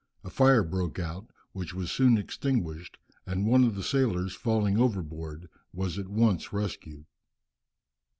A fire broke out, which was soon extinguished, and one of the sailors falling overboard, was at once rescued.